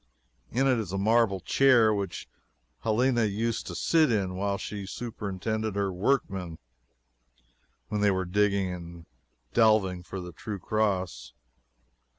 In it is a marble chair which Helena used to sit in while she superintended her workmen when they were digging and delving for the True Cross.